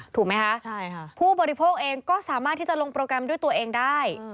ถูกไหมคะผู้บริโภคเองก็สามารถที่จะลงโปรแกรมด้วยตัวเองได้